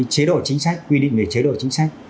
chế độ chính sách quy định về chế độ chính sách